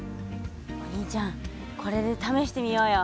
お兄ちゃんこれでためしてみようよ。